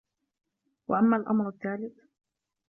وَأَمَّا الْأَمْرُ الثَّالِثُ